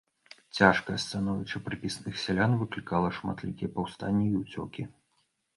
Цяжкае становішча прыпісных сялян выклікала шматлікія паўстанні і ўцёкі.